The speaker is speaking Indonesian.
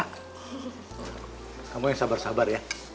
kamu yang sabar sabar ya